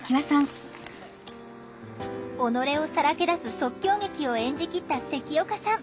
己をさらけ出す即興劇を演じきった関岡さん。